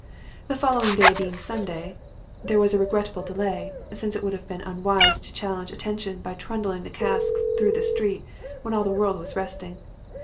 "The following day being Sunday, there was a regrettable delay, since it would have been unwise to challenge attention by trundling the casks through the streets when all the world was resting.